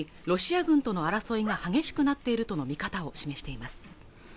ロシア軍との争いが激しくなっているとの見方を示しています